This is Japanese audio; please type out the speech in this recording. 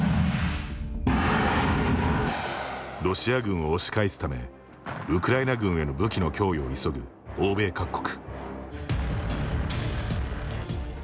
ロシア軍を押し返すためウクライナ軍への武器の供与を急ぐ欧米各国。